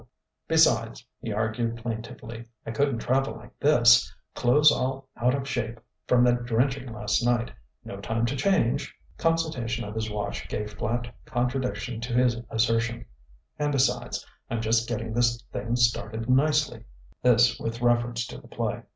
"Besides," he argued plaintively, "I couldn't travel like this clothes all out of shape from that drenching last night no time to change !" Consultation of his watch gave flat contradiction to this assertion. "And besides, I'm just getting this thing started nicely!" This with reference to the play.